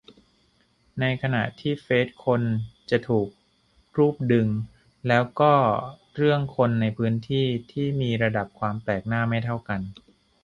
ในขณะที่เฟซคนจะถูกรูปดึง แล้วก็เรื่องคนในพื้นที่ ที่มีระดับความแปลกหน้าไม่เท่ากัน